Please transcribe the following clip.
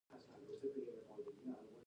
ماشومان ښکلي دي